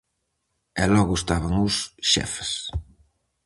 E logo estaban os xefes.